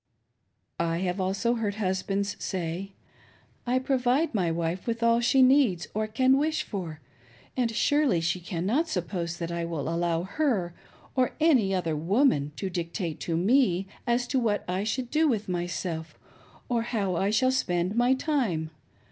I have also heard husbands say :" I provide my wife with all she needs or can wish for, and surely she cannot suppose that I will allow her or any other woman to dictate to me as to what I shall do with myself or how I shall spend my time.